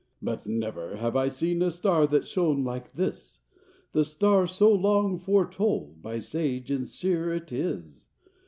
But never have I seen A star that shone like this— The star so long foretold By sage and seer it is!